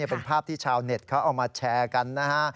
เป็นภาพที่ชาวเน็ตเขาเอามาแชร์กันนะฮะ